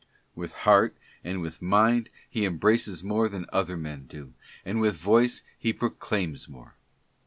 With heart and with mind he embraces more than other men do, and with voice he proclaims more.